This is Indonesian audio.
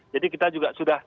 jadi kita juga sudah